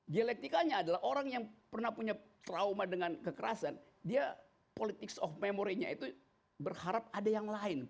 dialektikanya adalah orang yang pernah punya trauma dengan kekerasan dia politics of memory nya itu berharap ada yang lain